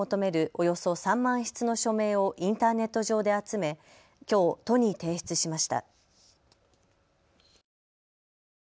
およそ３万筆の署名をインターネット上で集めきょう都に提出しました。